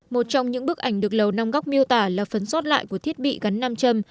một trong những bức ảnh được lầu nam góc miêu tả là phấn sót lại của thiết bị gắn nam châm